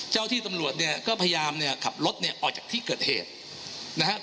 เจ้าที่ตำรวจก็พยายามขับรถออกจากที่เกิดเหตุนะครับ